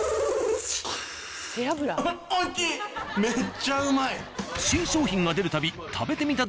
めっちゃうまい。